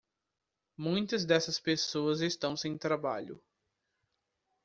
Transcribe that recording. Muitas dessas pessoas estão sem trabalho.